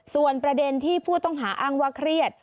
ส่วนประเด็นที่ผู้ต้องหาอ้างว่าเครียด